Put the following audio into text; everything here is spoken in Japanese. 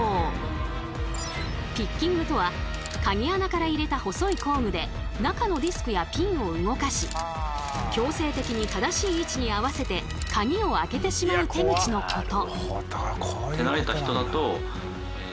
ピッキングとはカギ穴から入れた細い工具で中のディスクやピンを動かし強制的に正しい位置に合わせてカギを開けてしまう手口のこと。